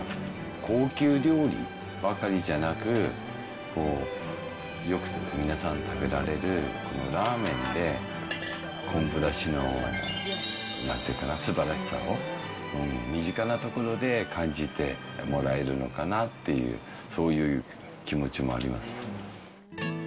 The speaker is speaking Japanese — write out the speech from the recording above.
高級料理ばかりじゃなく、よく皆さん食べられるこのラーメンで、昆布だしの、なんていうかな、すばらしさを身近なところで感じてもらえるのかなっていう、そういう気持ちもあります。